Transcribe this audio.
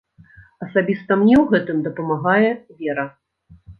Асабіста мне ў гэтым дапамагае вера.